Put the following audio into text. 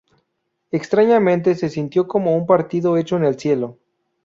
Extrañamente, se sintió como un partido hecho en el cielo.